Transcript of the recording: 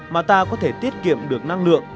mà ta có thể tiết kiệm được năng lượng